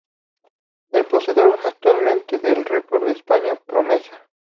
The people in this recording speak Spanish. Es poseedor, actualmente, del record de España promesa.